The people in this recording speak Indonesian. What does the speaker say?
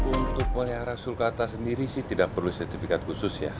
untuk oleh arah sulkata sendiri sih tidak perlu sertifikat khusus ya